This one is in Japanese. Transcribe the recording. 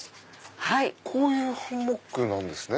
こういうハンモックなんですね。